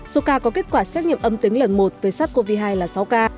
số ca có kết quả xét nghiệm âm tính lần một với sars cov hai là sáu ca